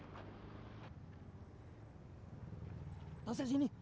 kita kasih bantuan